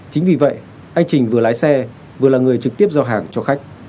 chính vì vậy anh trình vừa lái xe vừa là người trực tiếp giao hàng cho khách